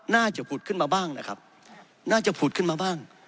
น่าจะภูมิขึ้นมาบ้างนะครับน่าจะภูมิขึ้นมาบ้าง